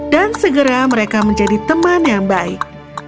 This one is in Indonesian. dan segera mereka menjadi teman yang baik